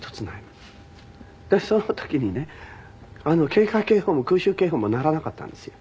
でその時にね警戒警報も空襲警報も鳴らなかったんですよ。